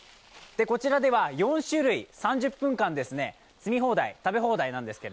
こちらでは４種類、３０分間摘み放題、食べ放題です。